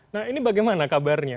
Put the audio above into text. nah ini bagaimana kabarnya